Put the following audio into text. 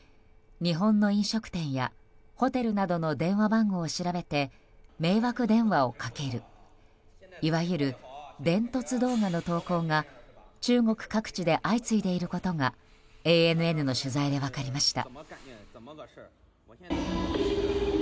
日本の飲食店やホテルなどの電話番号を調べて迷惑電話をかけるいわゆる電凸動画の投稿が中国各地で相次いでいることがＡＮＮの取材で分かりました。